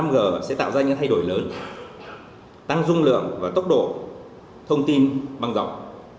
năm g sẽ tạo ra những thay đổi lớn tăng dung lượng và tốc độ thông tin băng rộng